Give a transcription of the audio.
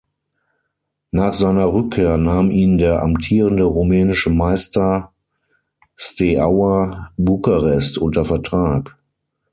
Nach seiner Rückkehr nahm ihn der amtierende rumänische Meister Steaua Bukarest unter Vertrag.